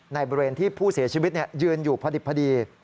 ในบริเวณที่ผู้เสียชีวิตยืนอยู่พอดิบพอดี